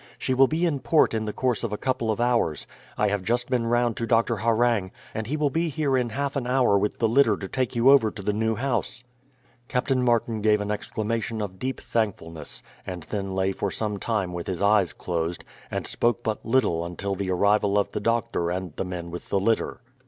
She will be in port in the course of a couple of hours. I have just been round to Doctor Harreng, and he will be here in half an hour with the litter to take you over to the new house." Captain Martin gave an exclamation of deep thankfulness, and then lay for some time with his eyes closed, and spoke but little until the arrival of the doctor and the men with the litter.